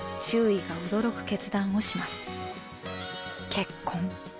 結婚。